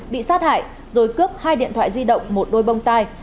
bị sát hại rồi cướp hai điện thoại di động một đôi bông tai